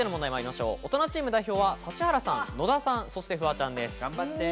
大人チーム代表は指原さん、野田さん、フワちゃんです。